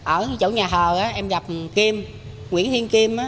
ở chỗ nhà thờ em gặp nguyễn thiên kim